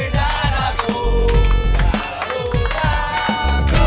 pernah lutan di danaku